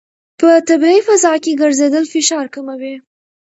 په طبیعي فضا کې ګرځېدل فشار کموي.